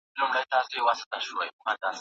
په لاس لیکل د وخت د ضایع کیدو مخه نیسي.